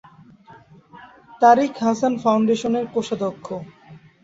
তারিক হাসান ফাউন্ডেশনের কোষাধ্যক্ষ।